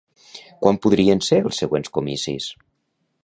Quan podrien ser els següents comicis?